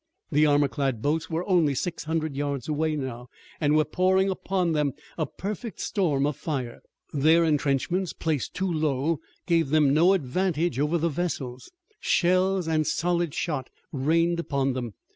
The armor clad boats were only six hundred yards away now, and were pouring upon them a perfect storm of fire. Their intrenchments, placed too low, gave them no advantage over the vessels. Shells and solid shot rained upon them.